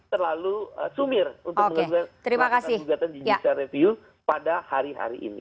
terlalu sumir untuk melakukan gugatan judicial review pada hari hari ini